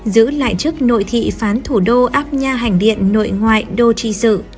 giữ lại chức nội thị phán thủ đô áp nhà hành điện nội ngoại đô tri dự